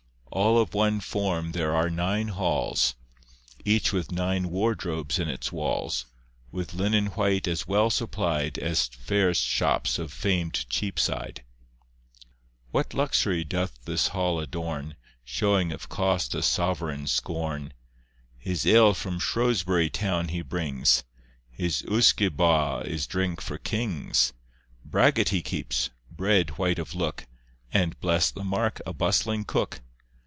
All of one form there are nine halls, Each with nine wardrobes in its walls, With linen white as well supplied As fairest shops of fam'd Cheapside. What luxury doth this hall adorn, Showing of cost a sovereign scorn! His ale from Shrewsbury town he brings; His usquebaugh is drink for kings. Bragget he keeps, bread white of look, And, bless the mark, a bustling cook.